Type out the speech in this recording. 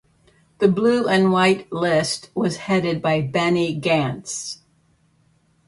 The Blue and White list was headed by Benny Gantz.